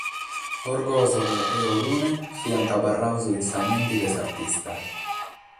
Orgòsolo e Orune fiant abarrados in sa mente de s’artista.